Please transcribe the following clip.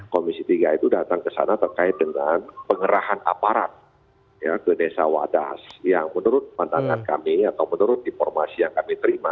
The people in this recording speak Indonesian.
komisi tiga itu datang ke sana terkait dengan pengerahan aparat ke desa wadas yang menurut pandangan kami atau menurut informasi yang kami terima